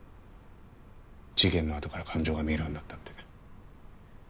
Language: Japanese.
事件の後から感情が見えるようになったって。